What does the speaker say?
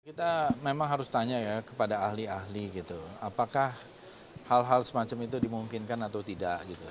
kita memang harus tanya ya kepada ahli ahli gitu apakah hal hal semacam itu dimungkinkan atau tidak gitu